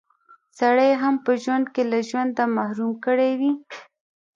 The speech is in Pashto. سړی يې هم په ژوند کښې له ژونده محروم کړی وي